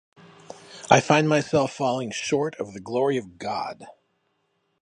I find myself falling short of the glory of God.